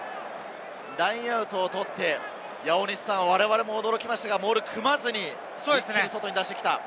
ラインアウトを取って、我々も驚きましたが、モールを組まずにすぐ外に出してきた。